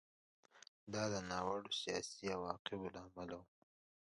دا د ناوړه سیاسي عواقبو له امله و